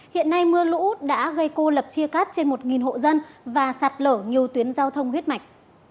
hiện nay mưa lũ đã gây cô lập chia cắt trên một hộ dân và sạt lở nhiều tuyến giao thông huyết mạch